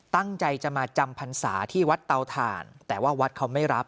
ตั้งใจจะมาจำพรรษาที่วัดเตาถ่านแต่ว่าวัดเขาไม่รับ